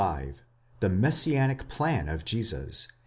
§ 65. THE MESSIANIC PLAN OF JESUS.